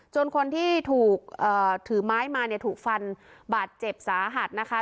คนที่ถูกถือไม้มาเนี่ยถูกฟันบาดเจ็บสาหัสนะคะ